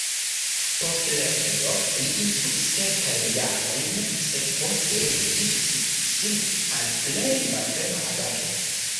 Post lernejo, li instruis kelkajn jarojn, sed poste dediĉis sin al plej malferma agado.